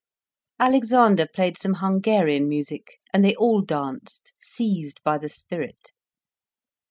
Alexander played some Hungarian music, and they all danced, seized by the spirit.